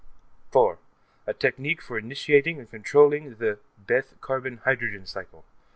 4.) A technique for initiating and controlling the Bethe carbon hydrogen cycle.